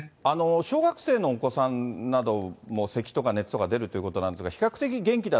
小学生のお子さんなどもせきとか熱とか出るということなんですが、比較的元気だ。